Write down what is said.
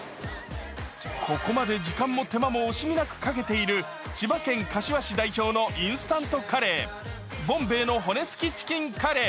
ここまで時間も手間も惜しみなくかけている千葉県柏市代表のインスタントカレー、ボンベイの骨付きチキンカレー。